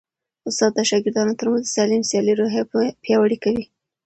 استاد د شاګردانو ترمنځ د سالمې سیالۍ روحیه پیاوړې کوي.